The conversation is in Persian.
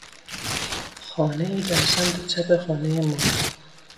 خانهای در سمت چپ خانهی ما